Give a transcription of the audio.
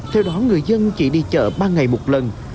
theo đó người dân chỉ đi chợ ba ngày một lần